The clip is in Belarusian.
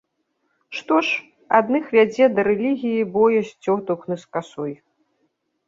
Што ж, адных вядзе да рэлігіі боязь цётухны з касой.